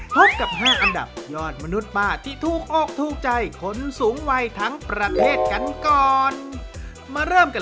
พบกับ๕อันดับยอดมนุษย์ป้าที่ถูกออกถูกใจคนสูงวัยทั้งประเทศกันก่อนมาเริ่มกัน